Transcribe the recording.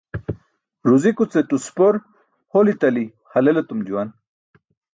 Ruzikuce tuspor holi tali halel etum juwan.